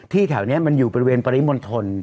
แถวนี้มันอยู่บริเวณปริมณฑล